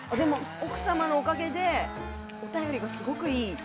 奥様のおかげでお便りがすごくいい。